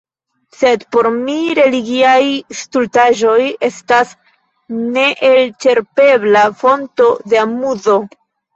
Sed por mi religiaj stultaĵoj estas neelĉerpebla fonto de amuzo.